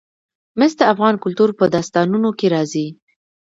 مس د افغان کلتور په داستانونو کې راځي.